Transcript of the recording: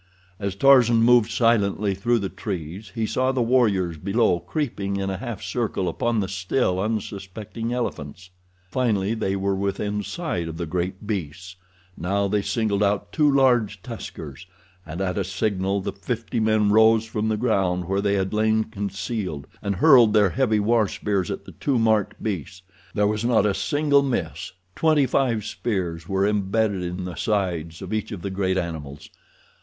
As Tarzan moved silently through the trees he saw the warriors below creeping in a half circle upon the still unsuspecting elephants. Finally they were within sight of the great beasts. Now they singled out two large tuskers, and at a signal the fifty men rose from the ground where they had lain concealed, and hurled their heavy war spears at the two marked beasts. There was not a single miss; twenty five spears were embedded in the sides of each of the giant animals.